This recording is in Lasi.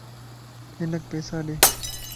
ھنک پيسا ڏي